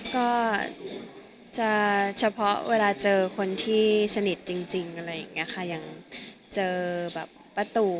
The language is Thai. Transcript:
ก็จะเฉพาะเวลาเจอคนที่สนิทจริงอะไรอย่างนี้ค่ะยังเจอแบบประตู